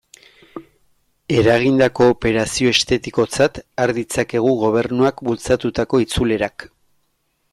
Eragindako operazio estetikotzat har ditzakegu Gobernuak bultzatutako itzulerak.